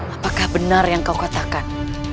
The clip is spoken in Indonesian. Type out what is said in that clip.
apakah benar yang kau katakan